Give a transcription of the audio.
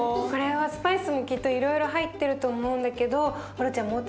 これはスパイスもきっといろいろ入ってると思うんだけどオルちゃん